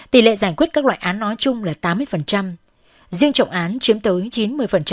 tỷ lệ giải quyết các loại án nói chung là tám mươi riêng trọng án chiếm tới chín mươi